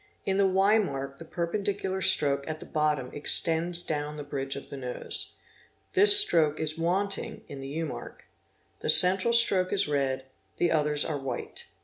In the Y mark the perpendi cular stroke at the bottom extends down the bridge of the nose. This stroke is wanting in the U mark. 'The central stroke is red, the others are white.